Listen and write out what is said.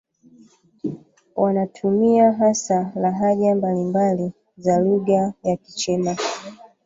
Wanatumia hasa lahaja mbalimbali za lugha ya Kichina.